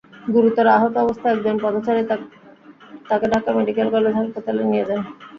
গুরুতর আহত অবস্থায় একজন পথচারী তাঁকে ঢাকা মেডিকেল কলেজ হাসপাতালে নিয়ে যান।